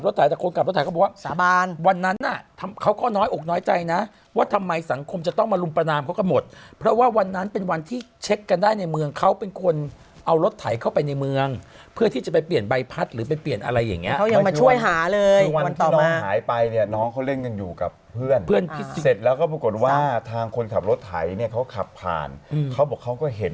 สถาบันวันนั้นอ่ะเขาก็น้อยอกน้อยใจนะว่าทำไมสังคมจะต้องมาลุมประนามเขาก็หมดเพราะว่าวันนั้นเป็นวันที่เช็คกันได้ในเมืองเขาเป็นคนเอารถไถเข้าไปในเมืองเพื่อที่จะไปเปลี่ยนใบพัดหรือไปเปลี่ยนอะไรอย่างเงี้ยเขายังมาช่วยหาเลยวันต่อมาหายไปเนี่ยน้องเขาเล่นกันอยู่กับเพื่อนเพื่อนพี่เสร็จแล้วก็ปรากฏว่าทางคนขับรถไถเ